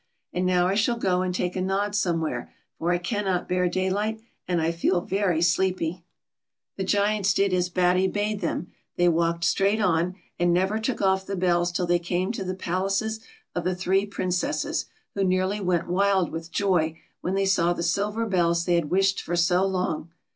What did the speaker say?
And now I shall go and take a nod somewhere, for I cannot bear daylight, and I feel very sleepy." The Giants did as Batty bade them. The} walked straight on, and never took off the bells till thc> came to the palaces of the three Princesses, who nearly went wild with joy when the\' saw the silver bells they had wished for so long.